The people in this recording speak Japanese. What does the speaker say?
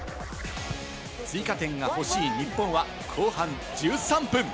追加点が欲しい日本は後半１３分。